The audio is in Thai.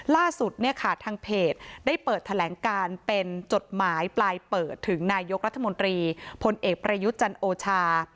ล่าสุดเนี่ยค่ะทางเพจได้เปิดแถลงการเป็นจดหมายปลายเปิดถึงนายกรัฐมนตรีพลเอกประยุทธ์จันโอชา